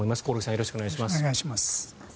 よろしくお願いします。